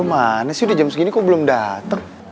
bismillah nada sih jam ihram segini ku belum dateng